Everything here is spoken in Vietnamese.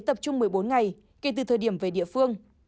tập trung một mươi bốn ngày kể từ thời điểm về địa phương